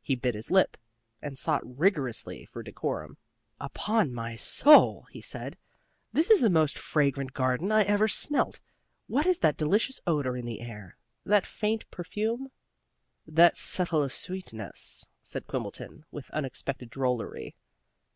He bit his lip, and sought rigorously for decorum. "Upon my soul," he said, "This is the most fragrant garden I ever smelt. What is that delicious odor in the air, that faint perfume ?" "That subtle sweetness?" said Quimbleton, with unexpected drollery.